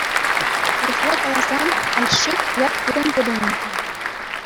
Урӑхла каласан, Альших ят пирӗн те пулнӑ.